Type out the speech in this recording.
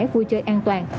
vui chơi an toàn